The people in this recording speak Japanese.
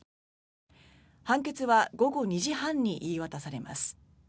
判決は午後２時半に言い渡されます。